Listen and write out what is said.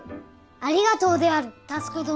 ありがとうである佑どの。